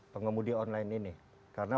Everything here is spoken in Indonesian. pengemudi online ini karena